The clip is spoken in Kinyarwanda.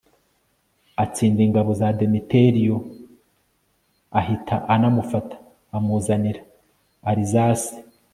atsinda ingabo za demetiriyo ahita anamufata; amuzanira arizase